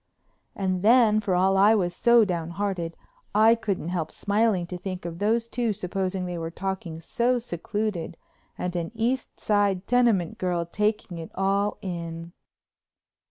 And then, for all I was so downhearted, I couldn't help smiling to think of those two supposing they were talking so secluded and an East Side tenement girl taking it all in.